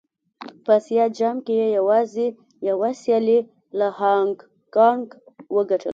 په اسيا جام کې يې يوازې يوه سيالي له هانګ کانګ وګټله.